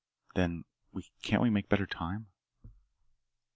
"Then can't we make better time?"